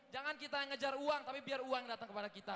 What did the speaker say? jangan kita ngejar uang tapi biar uang datang kepada kita